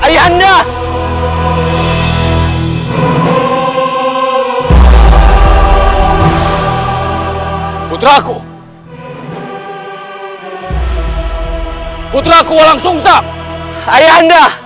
jangan lupa like share dan subscribe